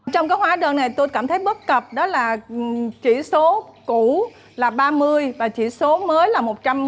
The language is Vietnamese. trong các hóa đơn này tôi cảm thấy bất cập đó là chỉ số cũ là ba mươi và chỉ số mới là một trăm năm mươi